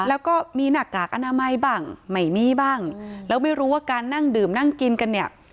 แล้วก็มีหน้ากากอนามัยบ้างไม่มีบ้างแล้วไม่รู้ว่าการนั่งดื่มนั่งกินกันเนี่ย